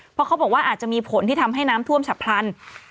เพราะเขาบอกว่าอาจจะมีผลที่ทำให้น้ำท่วมฉับพลัน